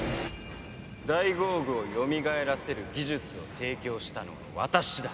ダイゴーグをよみがえらせる技術を提供したのは私だ。